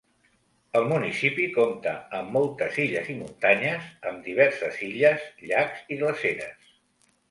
El municipi compta amb moltes illes i muntanyes, amb diverses illes, llacs i glaceres.